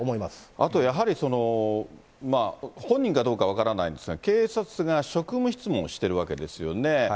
あとやはり、本人かどうかは分からないんですが、警察が職務質問をしてるわけですよね。